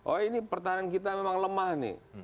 oh ini pertahanan kita memang lemah nih